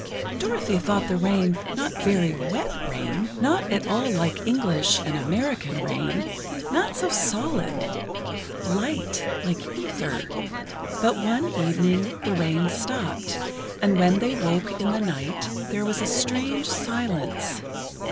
Dorothy thought the rain not very wet rain—not at all like English and American rain—not so solid—light, like ether. But one evening, the rain stopped, and when they woke in the night, there was a strange silence.